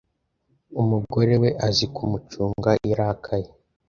Umugore we azi kumucunga iyo arakaye.